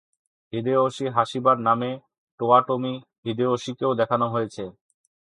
হিদেয়োশি হাসিবার নামে টোয়োটোমি হিদেয়োশিকেও দেখানো হয়েছে।